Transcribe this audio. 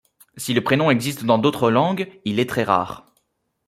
Si le prénom existe dans d'autres langues, il est très rare.